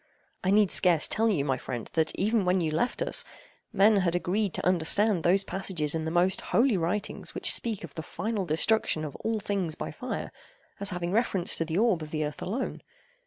I need scarce tell you, my friend, that, even when you left us, men had agreed to understand those passages in the most holy writings which speak of the final destruction of all things by fire, as having reference to the orb of the earth alone.